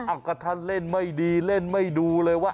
อากาศเล่นไม่ดีเล่นไม่ดูเลยว่า